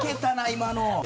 今の。